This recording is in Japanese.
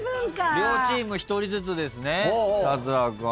両チーム１人ずつですね脱落は。